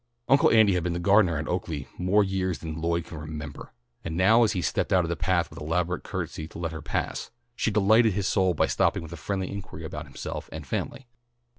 Uncle Andy had been the gardener at Oaklea more years than Lloyd could remember, and now as he stepped out of the path with elaborate courtesy to let her pass, she delighted his soul by stopping with a friendly inquiry about himself and family.